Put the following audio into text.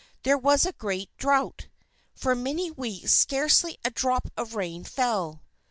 There was a great drought. For many weeks, scarcely a drop of rain fell.